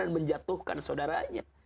dan menjatuhkan saudaranya